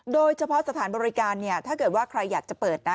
โดยเฉพาะสถานบริการถ้าเกิดว่าใครอยากจะเปิดนะ